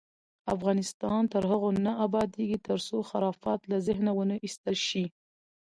افغانستان تر هغو نه ابادیږي، ترڅو خرافات له ذهنه ونه ایستل شي.